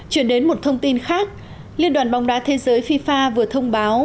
chuyển đến một thông tin khác liên đoàn bóng đá thế giới fifa vừa thông báo